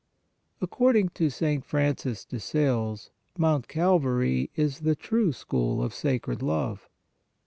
According to St. Francis de Sales, Mount Calvary is the true school of sacred love.